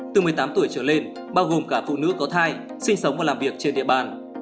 từ một mươi tám tuổi trở lên bao gồm cả phụ nữ có thai sinh sống và làm việc trên địa bàn